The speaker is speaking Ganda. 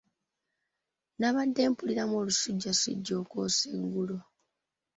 Nnabadde mpuliramu olusujjasujja okwosa eggulo.